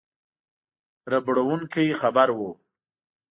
ربړوونکی خبر وو.